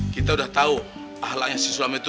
kita udah tahu ahlaknya si sulam itu